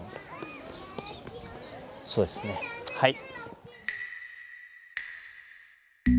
そうですねはい。